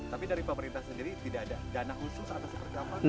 tapi dari pemerintah sendiri tidak ada dana khusus atas pergabungan